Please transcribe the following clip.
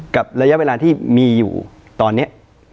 ระยะเวลาที่มีอยู่ตอนนี้